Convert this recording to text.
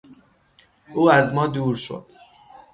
او از ما دور شد.